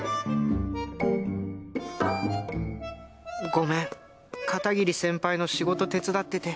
「ごめん片桐先輩の仕事手伝ってて。